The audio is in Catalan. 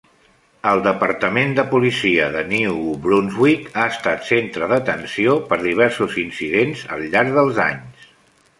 El departament de policia de New Brunswick ha estat centre d'atenció per diversos incidents al llarg dels anys.